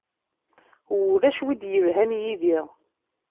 Ulac win i d-yelhan yid-i.